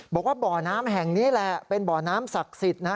บอกว่าบ่อน้ำแห่งนี้แหละเป็นบ่อน้ำศักดิ์สิทธิ์นะฮะ